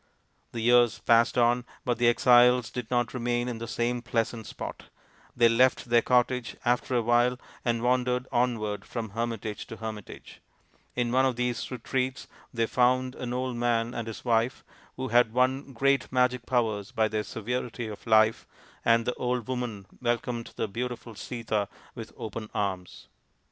The years passed on, but the exiles did not remain in the same pleasant spot ; they left their cottage RAMA'S QUEST 21 after a while and wandered onward from hermitage to hermitage. In one of these retreats they found an old man and his wife who had won great magic powers by their severity of life, and the old woman welcomed the beautiful Sita with open arms.